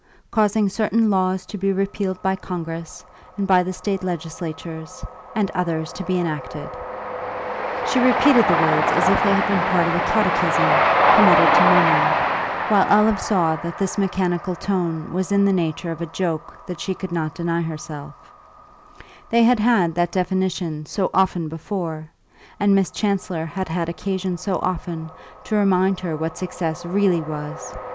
Causing certain laws to be repealed by Congress and by the State legislatures, and others to be enacted." She repeated the words as if they had been part of a catechism committed to memory, while Olive saw that this mechanical tone was in the nature of a joke that she could not deny herself; they had had that definition so often before, and Miss Chancellor had had occasion so often to remind her what success really was.